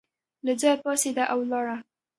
له ځایه پاڅېده او ولاړه.